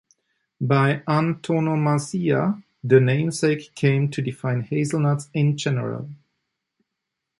By antonomasia, the namesake came to define hazelnuts in general.